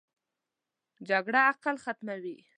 جګړه عقل ختموي